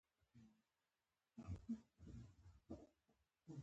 دلته خپله د عام ډومین جمله اضافه کړئ.